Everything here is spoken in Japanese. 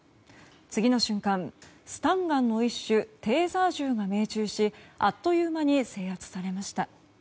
次の瞬間、スタンガンの一種テーザー銃が命中しあっという間に制圧されました。